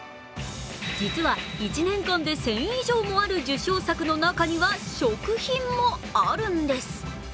実は１年間で１０００以上のある受賞作の中には食品もあるんです。